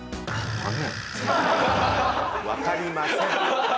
分かりません。